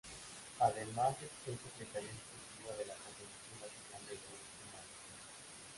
Además es Secretaria Ejecutiva de la Coordinadora Nacional de Derechos Humanos.